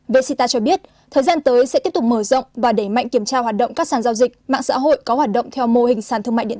v sita cho biết thời gian tới sẽ tiếp tục mở rộng và đẩy mạnh kiểm tra hoạt động các sản giao dịch mạng xã hội có hoạt động theo mô hình sản thương mại điện tử